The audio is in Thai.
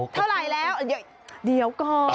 เท่าไหร่แล้วเดี๋ยวก่อน